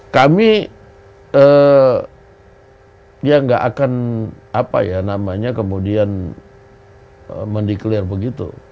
kami ya nggak akan apa ya namanya kemudian mendeklir begitu